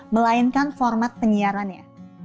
melainkan format penyiarannya